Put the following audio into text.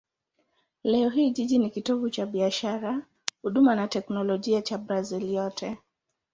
Leo hii jiji ni kitovu cha biashara, huduma na teknolojia cha Brazil yote.